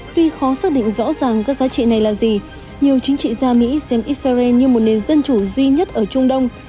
tuy khó xác định rõ ràng các giá trị này là gì nhiều chính trị gia mỹ xem israel như một nền dân chủ duy nhất ở trung đông